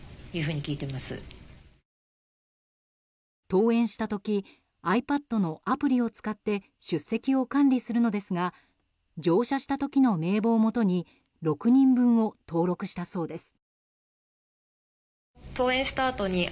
登園した時ｉＰａｄのアプリを使って出席を管理するのですが乗車した時の名簿をもとに６人分を登録したそうです。